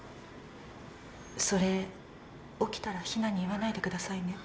それ起きたら日菜に言わないでくださいね。